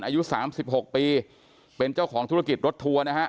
อายุ๓๖ปีเป็นเจ้าของธุรกิจรถทัวร์นะฮะ